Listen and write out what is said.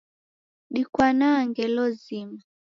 Dikwanaa ngelo zima